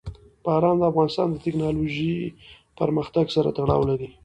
باران د افغانستان د تکنالوژۍ پرمختګ سره تړاو لري.